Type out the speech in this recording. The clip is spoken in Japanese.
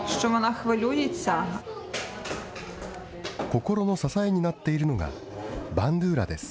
心の支えになっているのが、バンドゥーラです。